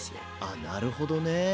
あなるほどね。